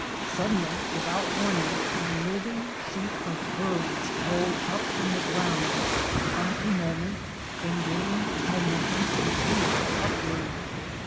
Suddenly, with out warning, a living sheet of birds rolled up from the ground, hung a moment, then gained momentum and wheeled upward.